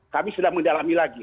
kami sudah mendalami lagi